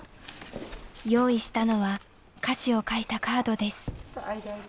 用意したのは歌詞を書いたカードです。